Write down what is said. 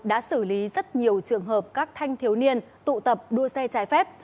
đã xử lý rất nhiều trường hợp các thanh thiếu niên tụ tập đua xe trái phép